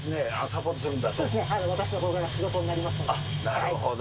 なるほど。